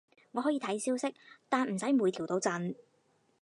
我可以睇消息，但唔使每條都震